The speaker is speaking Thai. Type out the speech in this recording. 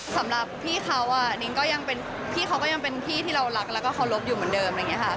สำหรับพี่เขานิ้งก็ยังเป็นพี่เขาก็ยังเป็นพี่ที่เรารักแล้วก็เคารพอยู่เหมือนเดิมอะไรอย่างนี้ค่ะ